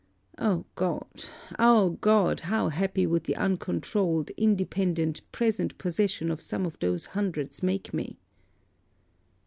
O God! O God! how happy would the uncontrouled, independent, present possession of some of those hundreds make me!'